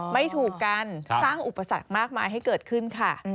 ไม่ถูกกันสร้างอุปสรรคมากมายให้เกิดขึ้นค่ะ